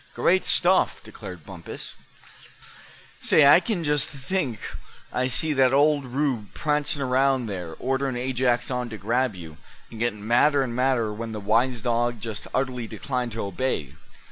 "Great stuff!" declared Bumpus. "Say, I c'n just think I see that Old Rube prancin' around there, orderin' Ajex on to grab you, an' gettin' madder'n madder when the wise dog just utterly declined to obey.